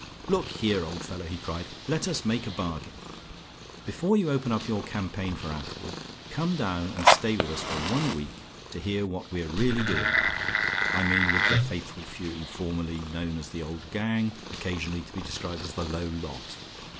"Look here, old fellow," he cried, "let us make a bargain. Before you open your campaign for Attwood come down and stay with us for one week, to hear what we're really doing. I mean with the Faithful Few, formerly known as the Old Gang, occasionally to be described as the Low Lot.